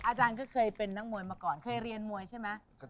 อาจารย์ก็เคยเป็นนักมวยมาก่อนเคยเรียนมวยใช่ไหม